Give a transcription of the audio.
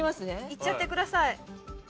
いっちゃってください。